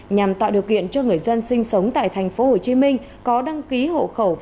nhằm tạo điều kiện cho người dân sinh sống tại tp hcm có đăng ký hộ khẩu